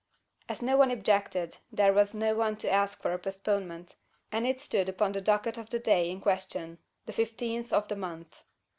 As no one objected, there was no one to ask for a postponement; and it stood upon the docket for the day in question the fifteenth of the month.